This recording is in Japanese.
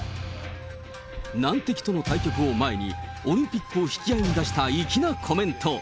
難敵との対局を前に、オリンピックを引き合いに出した粋なコメント。